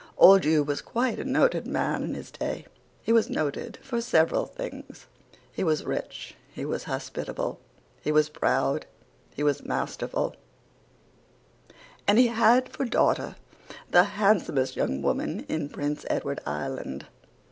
"Old Hugh was quite a noted man in his day. He was noted for several things he was rich, he was hospitable, he was proud, he was masterful and he had for daughter the handsomest young woman in Prince Edward Island.